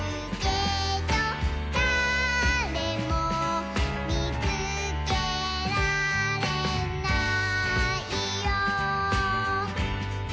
「だれもみつけられないよ」